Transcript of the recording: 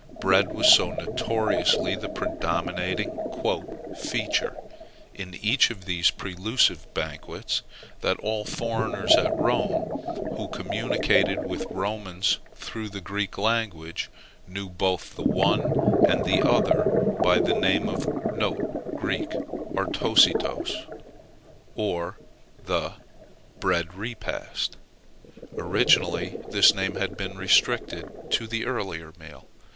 Bread was so notoriously the predominating "feature" in each of these prelusive banquets, that all foreigners at Rome, who communicated with Romans through the Greek language, knew both the one and the other by the name of [Greek: artositos], or the bread repast. Originally this name had been restricted to the earlier meal.